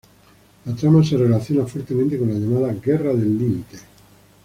La trama se relaciona fuertemente con la llamada "Guerra del límite".